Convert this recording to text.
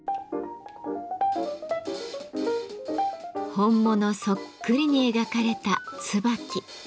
本物そっくりに描かれたツバキ。